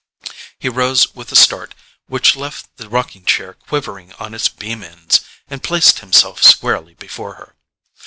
He rose with a start which left the rocking chair quivering on its beam ends, and placed himself squarely before her.